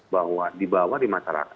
bahwa di bawah di masyarakat